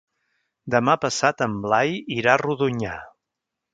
Demà passat en Blai irà a Rodonyà.